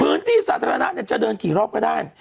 พื้นที่สาธารณะจะเดินกี่รอบก็ได้